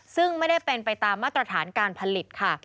ซึ่งไม่ได้เป็นไปตามมาตรฐานการผลิตค่ะ